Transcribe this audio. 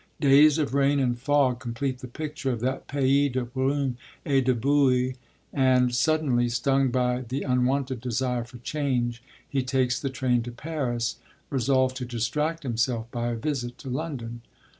Days of rain and fog complete the picture of that pays de brume et de boue, and suddenly, stung by the unwonted desire for change, he takes the train to Paris, resolved to distract himself by a visit to London.